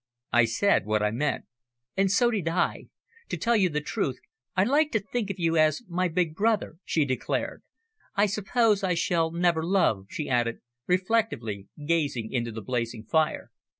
"I said what I meant." "And so did I. To tell you the truth, I like to think of you as my big brother," she declared. "I suppose I shall never love," she added, reflectively, gazing into the blazing fire.